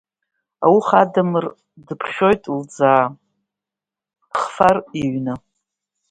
Ауха Адамыр дыԥхьоит Лӡаа, Хфар иҩны.